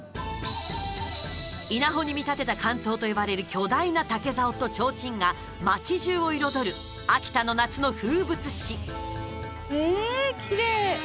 稲穂に見立てた竿燈と呼ばれる巨大な竹ざおとちょうちんが街じゅうを彩る秋田の夏の風物詩。